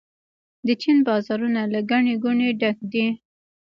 د چین بازارونه له ګڼې ګوڼې ډک دي.